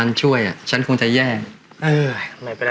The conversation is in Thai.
แล้วเงินที่ได้ไปนะ